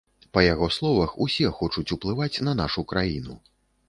Па яго словах, усе хочуць уплываць на нашу краіну.